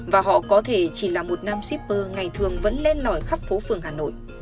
và họ có thể chỉ là một nam shipper ngày thường vẫn lên nổi khắp phố phường hà nội